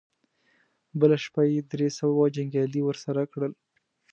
بله شپه يې درې سوه جنګيالي ور سره کړل.